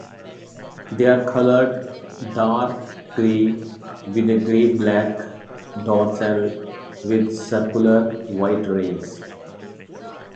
They are coloured dark gray, with a gray-black dorsal with circular white rings.